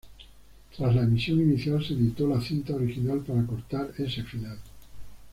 Tras la emisión inicial, se editó la cinta original para cortar ese final.